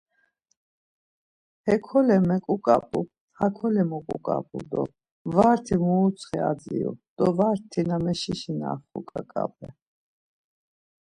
Hekole meǩuǩap̌u, hakole moǩuǩap̌u do varti muruntsxi adziru do varti na meşişinaxu ǩaǩape.